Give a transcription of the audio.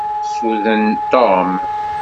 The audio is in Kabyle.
Suden Tom!